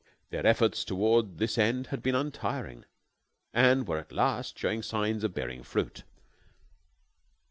Their efforts toward this end had been untiring, and were at last showing signs of bearing fruit.